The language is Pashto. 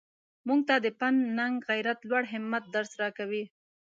موږ ته د پند ننګ غیرت لوړ همت درس راکوي.